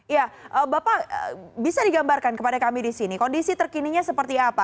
ya bapak bisa digambarkan kepada kami di sini kondisi terkininya seperti apa